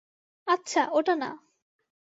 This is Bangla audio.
আচ্ছা, ওটা না।